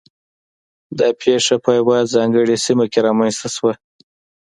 دا پېښه په یوه ځانګړې سیمه کې رامنځته شوه